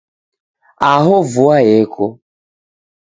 Aho vua yeko